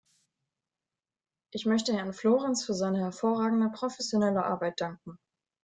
Ich möchte Herrn Florenz für seine hervorragende professionelle Arbeit danken.